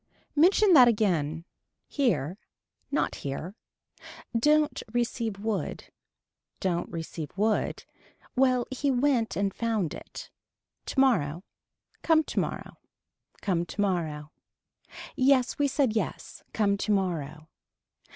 Mention that again. Here. Not here. Don't receive wood. Don't receive wood. Well we went and found it. Tomorrow. Come tomorrow. Come tomorrow. Yes we said yes. Come tomorrow.